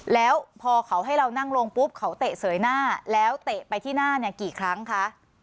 แล้วพอเขาให้เรานั่งลงปุ๊บเขาเตะเสยหน้าแล้วเตะไปที่หน้าเนี่ยกี่ครั้งคะ